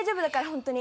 本当に。